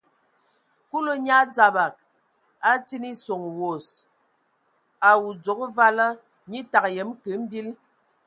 Kulu nyaa dzabag, a atin eson wos, a udzogo vala, nye təgə yəm kə mbil.